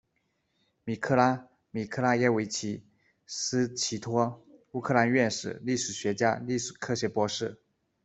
米克拉·米克拉约维奇·斯齐托，乌克兰院士、历史学家、历史科学博士。